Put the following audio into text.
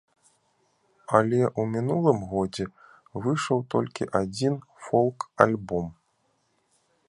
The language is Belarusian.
Але ў мінулым годзе выйшаў толькі адзін фолк-альбом.